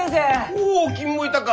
おお君もいたか！